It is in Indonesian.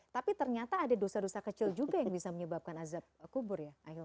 tapi ternyata ada dosa dosa kecil juga yang bisa menyebabkan azab kubur ya akhil